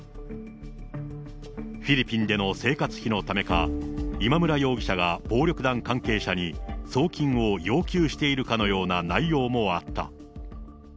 フィリピンでの生活費のためか、今村容疑者が暴力団関係者に送金を要求しているかのような内容もあった。